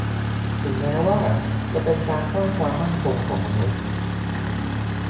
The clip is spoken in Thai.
ถึงแม้ว่าจะเป็นการสร้างความมั่นคงของมนุษย์